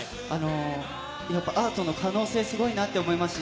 アートの可能性はすごいと思いました。